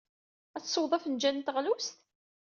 Ad tesweḍ afenjal n teɣlust?